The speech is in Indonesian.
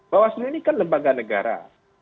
bawaslu ini kan lembaga negara